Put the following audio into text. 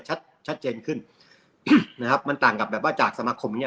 ชัดเจนขึ้นนะครับมันต่างกับแบบว่าจากสมาคมอย่างเ